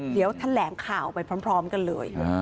เดี๋ยวแถลงข่าวไปพร้อมกันเลย